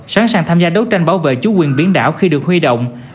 sẵn sàng tham gia đấu tranh bảo vệ chủ quyền biển đảo khi được huy động